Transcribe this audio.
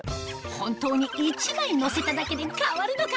本当に１枚のせただけで変わるのか？